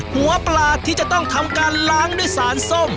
หัวปลาที่จะต้องทำการล้างด้วยสารส้ม